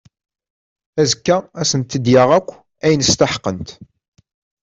Azekka ad asent-d-yaɣ akk ayen steḥqent.